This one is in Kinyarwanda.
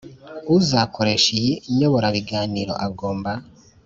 Uzakoresha iyi nyoborabiganiro agomba